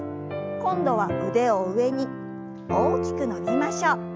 今度は腕を上に大きく伸びましょう。